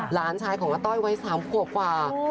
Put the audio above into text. หลานชายของอาต้อยไว้๓ครัวกว่า